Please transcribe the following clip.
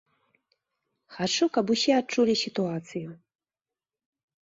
Хачу, каб усе адчулі сітуацыю.